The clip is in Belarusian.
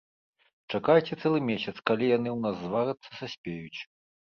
Чакайце цэлы месяц, калі яны ў нас зварацца-саспеюць.